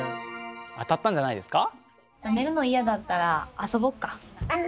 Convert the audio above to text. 当たったんじゃないですか？